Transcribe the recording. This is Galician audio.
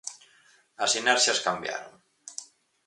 As inercias cambiaron.